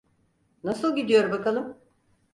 Nasıl gidiyor bakalım?